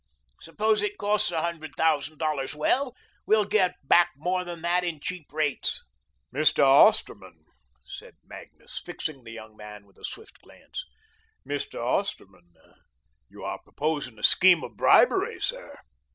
Suppose it costs a hundred thousand dollars. Well, we'll get back more than that in cheap rates." "Mr. Osterman," said Magnus, fixing the young man with a swift glance, "Mr. Osterman, you are proposing a scheme of bribery, sir."